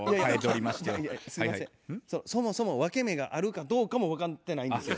そもそも分け目があるかどうかも分かってないんですよ。